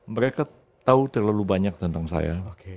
mereka tahu terlalu banyak tentang saya